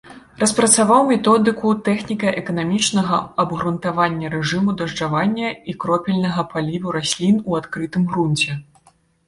Распрацаваў методыку тэхніка-эканамічнага абгрунтавання рэжыму дажджавання і кропельнага паліву раслін у адкрытым грунце.